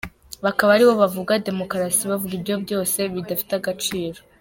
Bakaba ari bo bavuga demukarasi, bavuga ibyo byose bidafite agaciro.